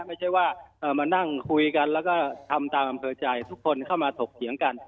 ไม่ใช่ว่ามานั่งคุยกันแล้วก็ทำตามอำเภอใจทุกคนเข้ามาถกเถียงกัน